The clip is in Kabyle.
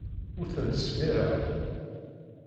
Ur ten-ttsemmiṛeɣ.